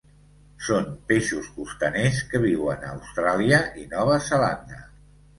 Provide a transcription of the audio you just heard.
Són peixos costaners que viuen a Austràlia i Nova Zelanda.